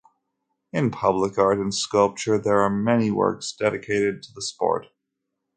In public art and sculpture there are many works dedicated to the sport.